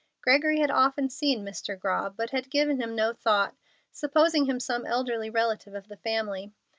Gregory had often seen Mr. Grobb, but had given him no thought, supposing him some elderly relative of the family.